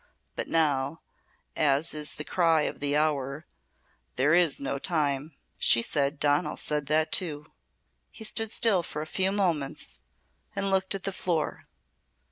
But now as is the cry of the hour there is no time. She said that Donal said it too." He stood still for a few moments and looked at the floor.